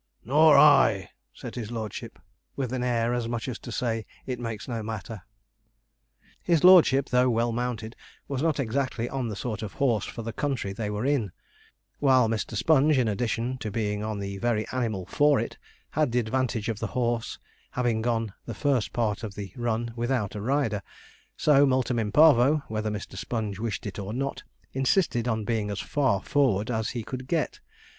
'Nor I,' said his lordship, with an air as much as to say, 'It makes no matter.' His lordship, though well mounted, was not exactly on the sort of horse for the country they were in; while Mr. Sponge, in addition to being on the very animal for it, had the advantage of the horse having gone the first part of the run without a rider: so Multum in Parvo, whether Mr. Sponge wished it or not, insisted on being as far forward as he could get.